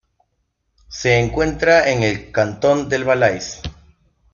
Se encuentra en el cantón del Valais.